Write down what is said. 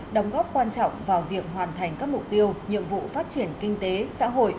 đóng góp quan trọng vào việc hoàn thành các mục tiêu nhiệm vụ phát triển kinh tế xã hội